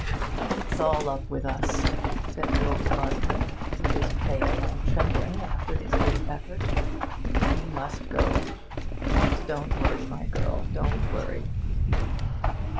'It's all up with us,' said the old gardener, who was pale and trembling after his great effort. 'We must go. But don't worry, my girl, don't worry.'